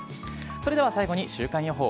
それでは最後に週間予報。